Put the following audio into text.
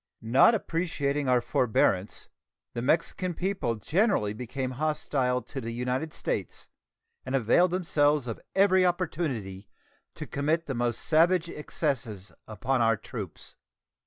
Not appreciating our forbearance, the Mexican people generally became hostile to the United States, and availed themselves of every opportunity to commit the most savage excesses upon our troops.